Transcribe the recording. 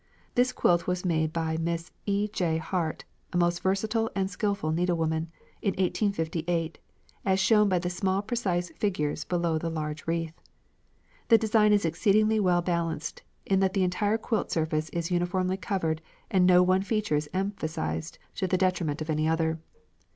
This quilt was made by Miss E. J. Hart, a most versatile and skilful needlewoman, in 1858, as shown by the small precise figures below the large wreath. The design is exceedingly well balanced in that the entire quilt surface is uniformly covered and no one feature is emphasized to the detriment of any other.